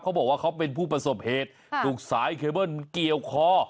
เขาบอกว่าเขาเป็นผู้ประสบเหตุถูกสายเคเบิ้ลเกี่ยวคอ